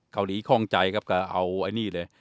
เกาหลีคล่องใจครับก็เอาไอ้นี่เลย